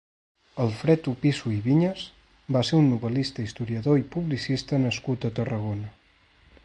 Alfred Opisso i Viñas va ser un novel·lista, historiador i publicista nascut a Tarragona.